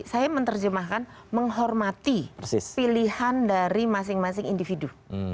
saya menerjemahkan menghormati pilihan dari masing masing individu